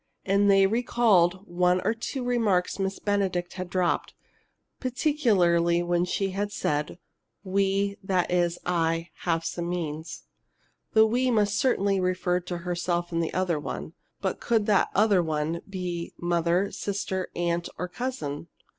And they recalled one or two remarks Miss Benedict had dropped, particularly when she had said: "We that is I have some means." The "we" must certainly have referred to herself and the other one. But could that "other one" be mother, sister, aunt, or cousin?